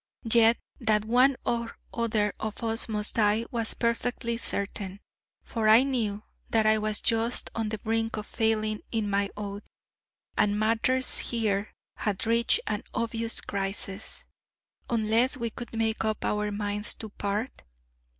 Yet that one or other of us must die was perfectly certain, for I knew that I was just on the brink of failing in my oath, and matters here had reached an obvious crisis: unless we could make up our minds to part...?